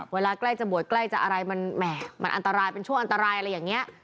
เวลาใกล้จะบวชใกล้จะอะไรมันแหม่มันอันตรายเป็นช่วงอันตรายอะไรอย่างนี้